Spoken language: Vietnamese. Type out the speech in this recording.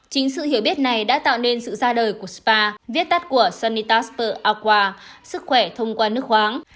chính sự hiểu biết này đã tạo nên sự ra đời của spa viết tắt của sunitaster aqua sức khỏe thông qua nước khoáng